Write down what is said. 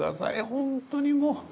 本当にもう。